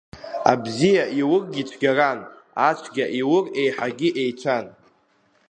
Абзиа иургьы цәгьаран, ацәгьа иур еиҳагьы еицәан.